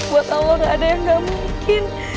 buat allah gak ada yang gak mungkin